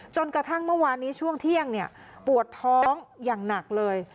จนกระทั่งเมื่อวานนี้ช่วงเที่ยงปวดท้องอย่างหนักเลย